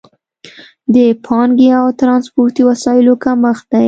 د پانګې او ترانسپورتي وسایلو کمښت دی.